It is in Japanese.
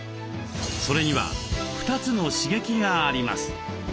それには２つの刺激があります。